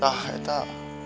tak eh tak